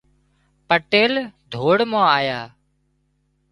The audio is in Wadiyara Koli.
پٽيل ڌوڙ مان آيا